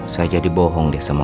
saya jadi bohong deh sama mama